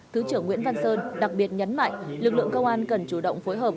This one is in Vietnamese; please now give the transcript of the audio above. thứ trưởng nguyễn văn sơn đặc biệt nhấn mạnh lực lượng công an cần chủ động phối hợp